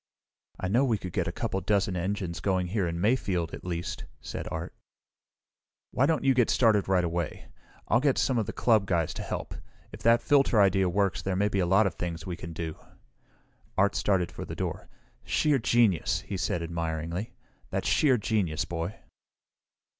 "I know we could get a couple of dozen engines going here in Mayfield, at least!" said Art. "Why don't you get started right away? Get some of the club guys to help. If that filter idea works there may be a lot of things we can do." Art started for the door. "Sheer genius," he said admiringly. "That's sheer genius, Boy!"